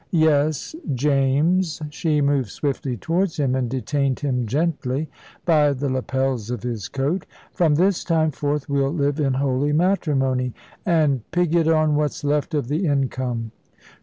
Yes, James" she moved swiftly towards him, and detained him gently by the lapels of his coat "from this time forth we'll live in holy matrimony, and pig it on what's left of the income.